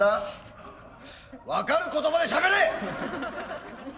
分かる言葉でしゃべれ！